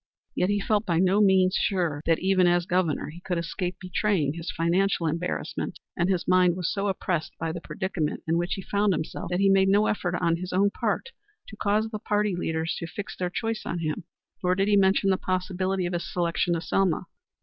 Yet he felt by no means sure that even as Governor he could escape betraying his financial embarrassment, and his mind was so oppressed by the predicament in which he found himself that he made no effort on his own part to cause the party leaders to fix their choice on him. Nor did he mention the possibility of his selection to Selma.